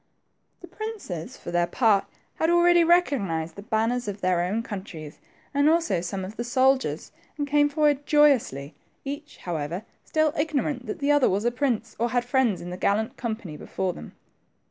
The princes, for their part, had already recognized the banners of their own countries, and also some of the soldiers, and .came forward joyously, each, however, still ignorant that the other was a prince, or had friends in the gallant company before them.